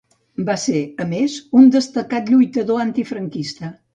Va ser, a més, un destacat lluitador antifranquista.